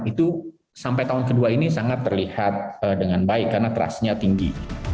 itu sampai tahun kedua ini sangat terlihat dengan baik karena trustnya tinggi